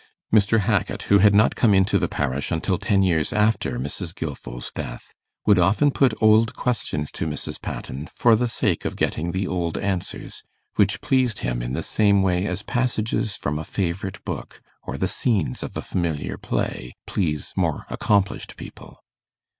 Mr. Hackit, who had not come into the parish until ten years after Mrs. Gilfil's death, would often put old questions to Mrs. Patten for the sake of getting the old answers, which pleased him in the same way as passages from a favourite book, or the scenes of a familiar play, please more accomplished people.